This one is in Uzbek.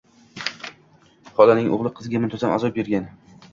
Xolaning o‘g‘li qizga muntazam azob bergan.